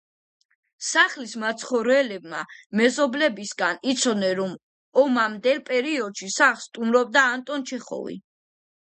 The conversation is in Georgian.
სახლის მაცხოვრებლებმა მეზობლებისაგან იცოდნენ, რომ ომამდელ პერიოდში სახლს სტუმრობდა ანტონ ჩეხოვი.